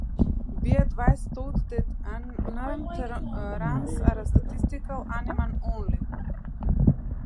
Be advised though that unearned runs are a statistical animal only.